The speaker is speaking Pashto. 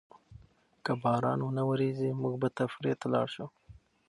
که باران ونه وریږي، موږ به تفریح ته لاړ شو.